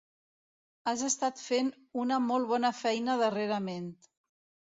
Has estat fent una molt bona feina darrerament.